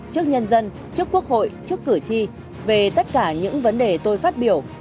trước nhân dân trước quốc hội trước cử tri về tất cả những vấn đề tôi phát biểu